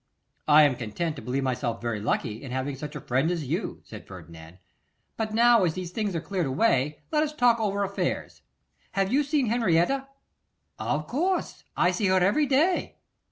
'I am content to believe myself very lucky in having such a friend as you,' said Ferdinand; 'but now as these things are cleared away, let us talk over affairs. Have you seen Henrietta?' 'Of course, I see her every day.